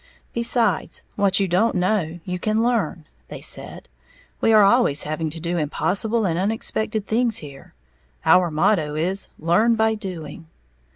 "Besides, what you don't know you can learn," they said, "we are always having to do impossible and unexpected things here, our motto is 'Learn by doing.'"